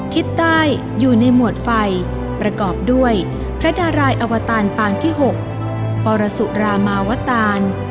ทิศใต้อยู่ในหมวดไฟประกอบด้วยพระดารายอวตารปางที่๖ปรสุรามาวตาน